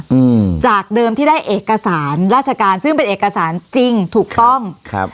อืมจากเดิมที่ได้เอกสารราชการซึ่งเป็นเอกสารจริงถูกต้องครับ